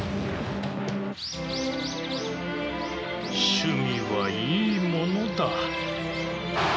趣味はいいものだ。